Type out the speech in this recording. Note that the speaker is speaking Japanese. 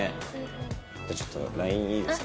じゃあちょっとＬＩＮＥいいですか？